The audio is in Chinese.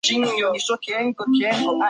谢其文广播电视科毕业。